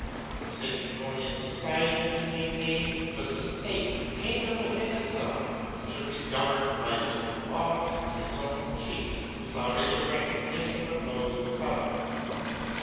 The Saint Simonian society, he maintained, was a State, a kingdom within itself, and should be governed by its own laws and its own chiefs without any recognition of those without.